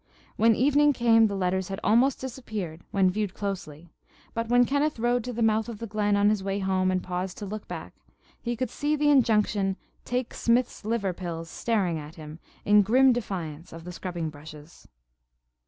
When evening came the letters had almost disappeared when viewed closely; but when Kenneth rode to the mouth of the glen on his way home and paused to look back, he could see the injunction "Take Smith's Liver Pills" staring at him, in grim defiance of the scrubbing brushes.